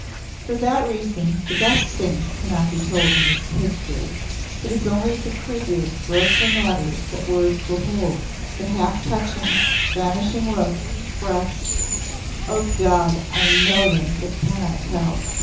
For that reason, the best things cannot be told in this history. It is only the cruder, grosser matters that words will hold. The half touchings vanishing looks, breaths O God, I know them, but cannot tell.